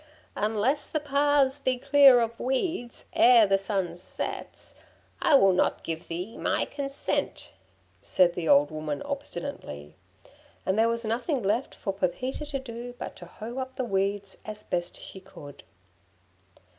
'Unless the paths be clear of weeds ere the sun sets, I will not give thee my consent,' said the old woman obstinately; and there was nothing left for Pepita to do but to hoe up the weeds as best she could.